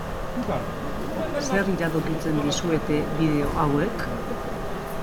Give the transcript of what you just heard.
Zer iradokitzen dizuete bideo hauek?